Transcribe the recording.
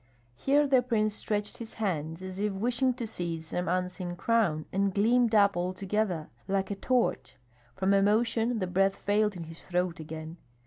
Here the prince stretched his hands, as if wishing to seize some unseen crown, and gleamed up altogether, like a torch; from emotion the breath failed in his throat again.